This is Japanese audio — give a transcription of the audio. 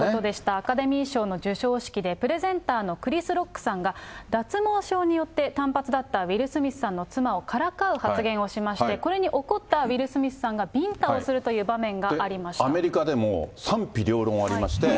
アカデミー賞の授賞式で、プレゼンターのクリス・ロックさんが、脱毛症によって単発だったウィル・スミスさんの妻をからかう発言をしまして、これに怒ったウィル・スミスさんがびんたをするという場面がありアメリカでも賛否両論ありまして。